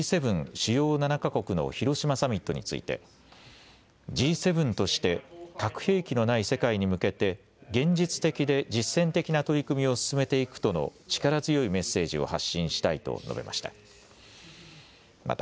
・主要７か国の広島サミットについてＧ７として核兵器のない世界に向けて現実的で実践的な取り組みを進めていくとの力強いメッセージを発信したいと述べました。